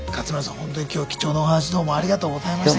ほんとに今日は貴重なお話どうもありがとうございました。